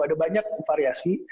ada banyak variasi